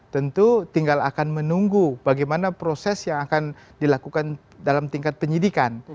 tentu tinggal akan menunggu bagaimana proses yang akan dilakukan dalam tingkat penyidikan